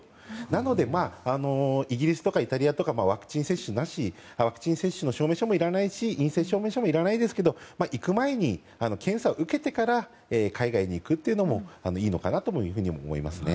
なので、イギリスとかイタリアとかワクチンの証明書もいらないし陰性証明書もいらないですけど行く前に、検査を受けてから海外に行くのもいいのかなと思いますね。